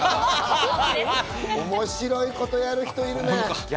面白いことやる人いるね。